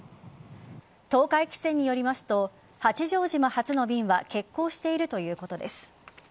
東海汽船によりますと八丈島発の便は欠航しているということです。